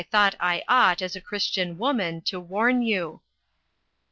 thought I ought, as a Christian woman, to warn you."